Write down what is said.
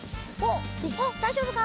おっだいじょうぶか？